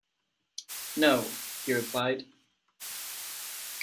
"No," he replied.